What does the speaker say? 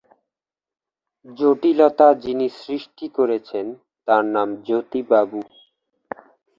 জটিলতা যিনি সৃষ্টি করেছেন, তাঁর নাম জ্যোতিবাবু!